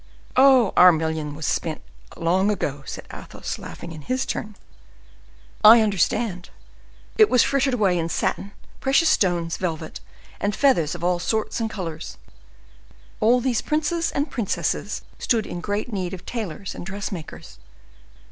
"Oh! our million was spent long ago," said Athos, laughing in his turn. "I understand; it was frittered away in satin, precious stones, velvet, and feathers of all sorts and colors. All these princes and princesses stood in great need of tailors and dressmakers.